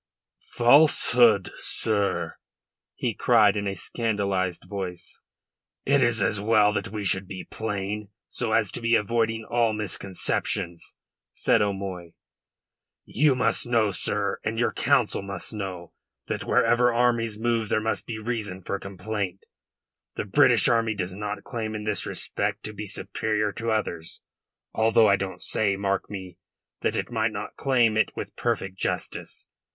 "Falsehood, sir?" he cried in a scandalised voice. "It is as well that we should be plain, so as to be avoiding all misconceptions," said O'Moy. "You must know, sir, and your Council must know, that wherever armies move there must be reason for complaint. The British army does not claim in this respect to be superior to others although I don't say, mark me, that it might not claim it with perfect justice.